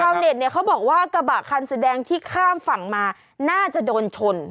เน็ตเนี่ยเขาบอกว่ากระบะคันสีแดงที่ข้ามฝั่งมาน่าจะโดนชน